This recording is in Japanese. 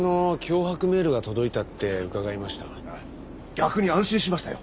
逆に安心しましたよ。